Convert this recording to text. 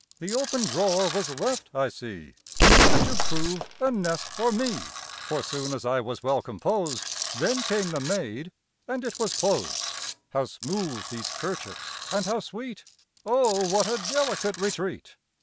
The open drawer was left, I see, Merely to prove a nest for me, For soon as I was well composed, Then came the maid, and it was closed, How smooth these 'kerchiefs, and how sweet! O what a delicate retreat!